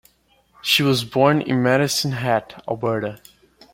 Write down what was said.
She was born in Medicine Hat, Alberta.